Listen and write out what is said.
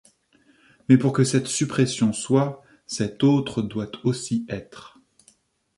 Mais pour que cette suppression soit, cet autre doit aussi être.